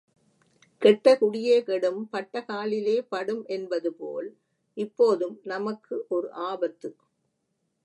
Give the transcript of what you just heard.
கெட்ட குடியே கெடும், பட்ட காலிலே படும் என்பது போல் இப்போதும் நமக்கு ஒரு ஆபத்து.